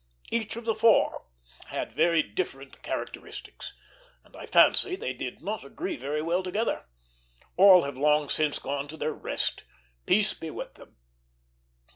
Each of the four had very different characteristics, and I fancy they did not agree very well together. All have long since gone to their rest; peace be with them!